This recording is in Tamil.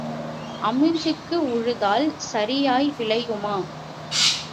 அமிஞ்சிக்கு உழுதால் சரியாய் விளையுமா?